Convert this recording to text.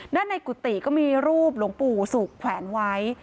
ด้านในกุติก็มีรูปหลวงปู่สูกแขวนไว้